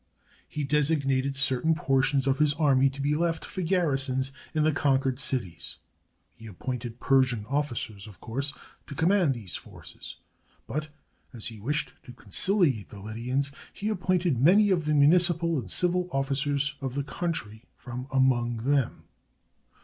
He designated certain portions of his army to be left for garrisons in the conquered cities. He appointed Persian ofiicers, of course, to command these forces; but, as he wished to concihate the Lydians, he appointed many of the municipal and civil officers of the country from among them.